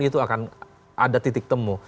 itu akan ada titik temu